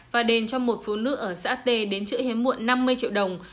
và đền cho một phụ nữ ở xã t đến chữa hiếm muộn năm mươi triệu đồng